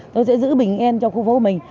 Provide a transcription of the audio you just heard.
tôi sẽ giữ bình yên cho khu phố mình